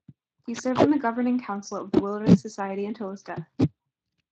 He served on the governing council of the Wilderness Society until his death.